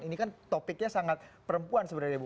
ini kan topiknya sangat perempuan sebenarnya bu